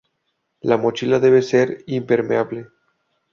La mochila debe de ser impermeable.